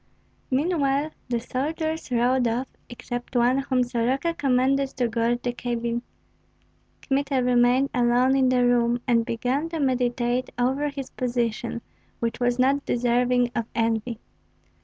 Meanwhile the soldiers rode off, except one, whom Soroka commanded to guard the cabin. Kmita remained alone in the room, and began to meditate over his position, which was not deserving of envy.